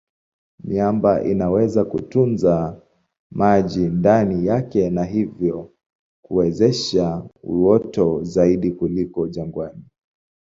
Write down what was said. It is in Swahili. Miamba inaweza kutunza maji ndani yake na hivyo kuwezesha uoto zaidi kuliko jangwani.